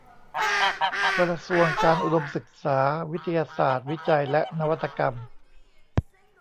กระทรวงการอุดมศึกษา วิทยาศาสตร์ วิจัยและนวัตกรรม